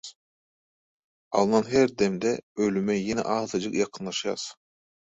alnan her demde ölüme ýene azajyk ýakynlaşýas.